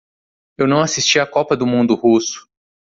Eu não assisti a copa do mundo russo.